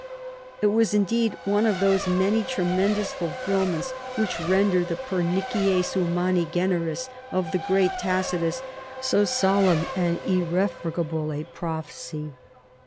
It was indeed one of those many tremendous fulfilments which render the " pernicies humani generis" of the great Tacitus, so solemn and irre fragable a prophecy.